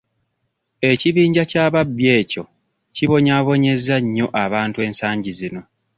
Ekibinja ky'ababbi ekyo kibonyaabonyezza nnyo abantu ensangi zino.